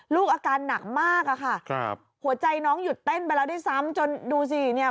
ลูกอาการหนักมากอะค่ะครับหัวใจน้องหยุดเต้นไปแล้วด้วยซ้ำจนดูสิเนี่ย